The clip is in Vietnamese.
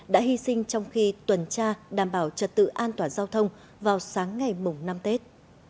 đã hy sinh trong khi tuần tra đảm bảo trật tự an toàn giao thông vào sáng ngày mùng năm tết